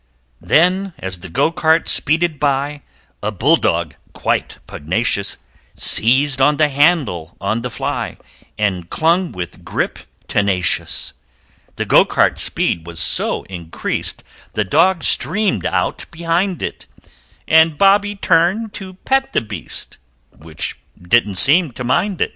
Then as the Go cart speeded by, A Bulldog, quite pugnacious, Seized on the handle on the fly And clung with grip tenacious The Go cart's speed was so increased The Dog streamed out behind it, And Bobby turned to pet the beast Which didn't seem to mind it!